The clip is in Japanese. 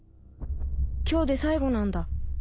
今日で最期なんだ